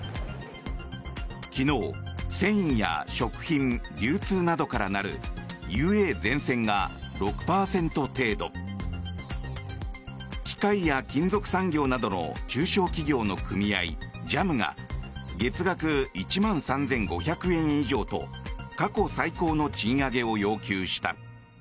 昨日、繊維や食品、流通などから成るＵＡゼンセンが６％程度機械や金属産業などの中小企業の組合ＪＡＭが月額１万３５００円以上と過去最高の賃上げを要求した。